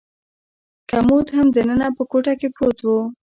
کمود هم دننه په کوټه کې پروت و.